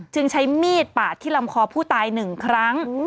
จึงใช้มีดปาดที่ลำคอผู้ตายหนึ่งครั้ง